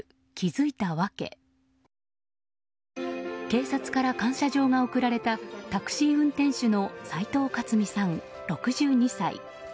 警察から感謝状が贈られたタクシー運転手の斎藤克巳さん、６２歳。